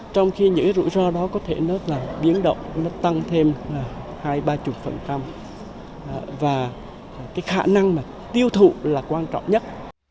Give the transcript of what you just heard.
trong khi những cái rủi ro đó có thể nó biến động nó tăng thêm hai mươi ba mươi và cái khả năng tiêu thụ là quan trọng nhất